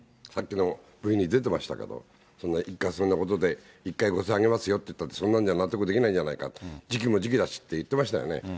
さっきのＶに出てましたけど、そんな１回そんなことで、１回５０００円あげますよって言ったって、そんなんじゃ納得できないじゃないか、時期も時期だしって言ってましたよね。